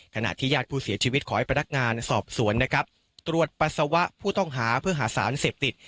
ขณะที่ญาติผู้เสียชีวิตขอให้พนักงานสอบสวนนะครับตรวจปัสสาวะผู้ต้องหาเพื่อหาสารเสพติด